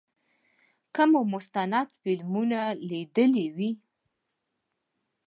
که مو مستند فلمونه کتلي وي.